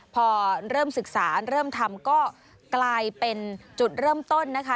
พอเริ่มศึกษาเริ่มทำก็กลายเป็นจุดเริ่มต้นนะคะ